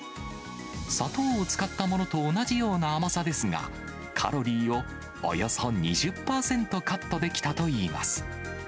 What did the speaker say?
砂糖を使ったものと同じような甘さですが、カロリーをおよそ２０％カットできたといいます。